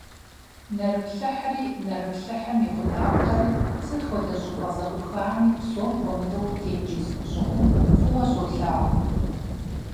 Нэрыплъыхьри, нэрыплъыхьым и гъунапкъэри сыт хуэдэ щӀыпӀэ ззӀухами, псом хуэмыдэу тенджыз гущӀыӀум, фӀыуэ щолъагъу.